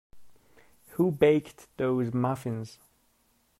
Who baked those muffins?